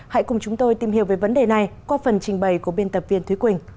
hãy cùng chúng tôi tìm hiểu về vấn đề này qua phần trình bày của biên tập viên thúy quỳnh